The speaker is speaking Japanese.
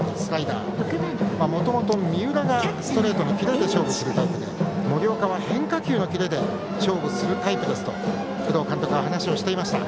もともと三浦がストレートのキレで勝負するタイプで森岡は変化球のキレで勝負するタイプですと工藤監督が話をしていました。